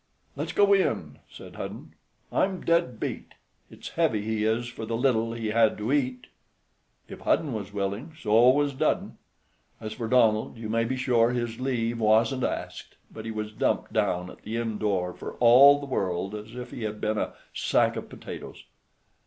"Let's go in," said Hudden; "I'm dead beat. It's heavy he is for the little he had to eat." If Hudden was willing, so was Dudden. As for Donald, you may be sure his leave wasn't asked, but he was dumped down at the inn door for all the world as if he had been a sack of potatoes.